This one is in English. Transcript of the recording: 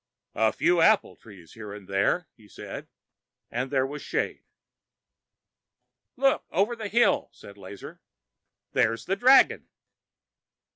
"A few apple trees here and there," he said, and there was shade. "Look over the hill!" said Lazar. "There's the dragon!"